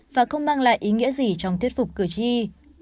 và không mang lại ý nghĩa gì trong thuyết phục cử tri